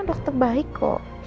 dokter baik kok